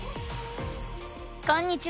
こんにちは！